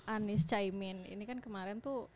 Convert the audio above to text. anies caimin ini kan kemarin tuh